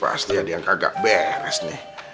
pasti ada yang agak beres nih